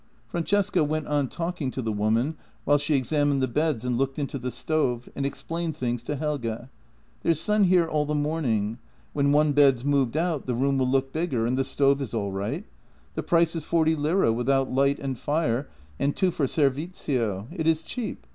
Francesca went on talking to the woman while she examined the beds and looked into the stove, and explained things to Helge :" There's sun here all the morning. When one bed's moved out, the room will look bigger; and the stove is all right. The price is forty lire without light and fire, and two for servizio. It is cheap.